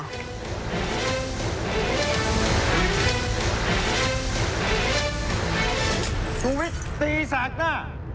ฮุ๊ยตีสักน่ะ